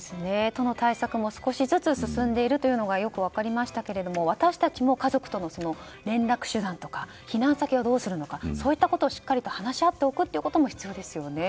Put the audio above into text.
都の対策も少しずつ進んでいるのがよく分かりましたが私たちも家族との連絡手段とか避難先はどうするのかそういったことをしっかりと話し合っておくことも必要ですね。